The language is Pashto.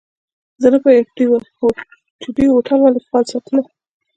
زه نه پوهیږم چي دوی هوټل ولي فعال ساتلی.